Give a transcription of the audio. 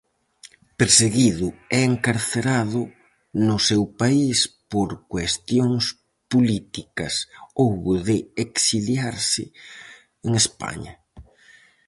Perseguido e encarcerado no seu país por cuestións políticas, houbo de exiliarse en España.